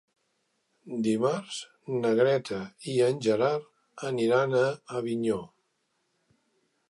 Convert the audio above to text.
Dimarts na Greta i en Gerard aniran a Avinyó.